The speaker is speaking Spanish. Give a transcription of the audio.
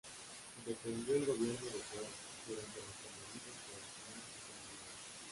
Defendió el gobierno de Juárez durante promovida por el Plan de La Noria.